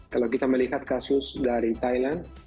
kalau kita melihat kasus dari thailand